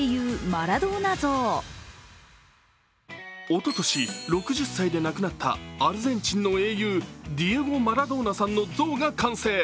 おととし６０歳で亡くなったアルゼンチンの英雄ディエゴ・マラドーナさんの像が完成。